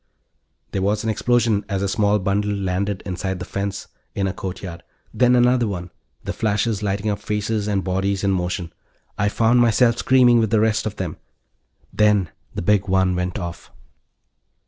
There was an explosion as a small bundle landed inside the fence, in a courtyard. Then another one, the flashes lighting up faces and bodies in motion. I found myself screaming with the rest of them. Then the big one went off.